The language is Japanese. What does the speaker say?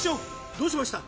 どうしました？